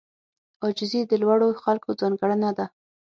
عاجزي د لوړو خلکو ځانګړنه ده.